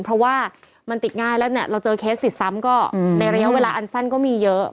เพราะว่ามันติดง่ายแล้วเนี่ยเราเจอเคสติดซ้ำก็ในระยะเวลาอันสั้นก็มีเยอะ